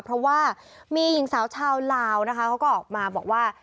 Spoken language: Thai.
เพราะว่ามีหญิงสาวชาวลาวนะคะเขาก็ออกมาบอกว่า